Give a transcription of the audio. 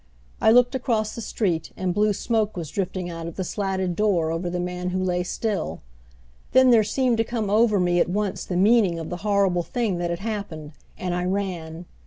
I looked across the street, and blue smoke was drifting out of the slatted door over the man who lay still. Then there seemed to come over me at once the meaning of the horrible thing that had happened, and I ran.